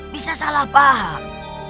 bisa salah paham